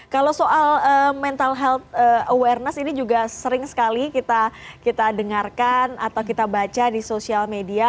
kalau soal mental health awareness ini juga sering sekali kita dengarkan atau kita baca di sosial media